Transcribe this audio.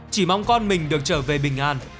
chỉ mong con mình được trở về bình an